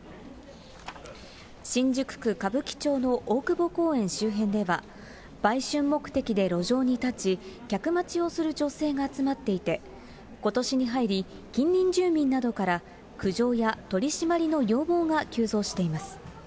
新宿区歌舞伎町の大久保公園周辺では、売春目的で路上に立ち、客待ちをする女性が集まっていて、ことしに入り近隣住民などから、苦情や取締りの要望が急増しています。